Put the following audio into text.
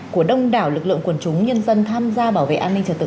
của đông đảo lực lượng quần chúng nhân dân tham gia bảo vệ an ninh trật tự